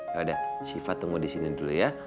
yaudah syifa tunggu di sini dulu ya